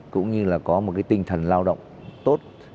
cũng như là có một cái tinh thần lao động tốt